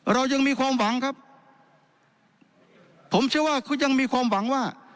เรายังมีความหวังครับผมเชื่อว่าเขายังมีความหวังว่า